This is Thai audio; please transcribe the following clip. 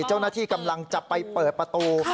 เจ้าหน้าที่กำลังจะไปเปิดประตู